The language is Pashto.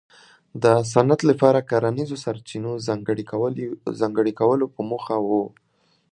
د صنعت لپاره کرنیزو سرچینو ځانګړي کولو په موخه و.